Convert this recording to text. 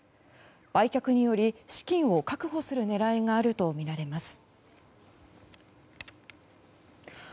売却により、資金を確保する狙いがあるとみられます。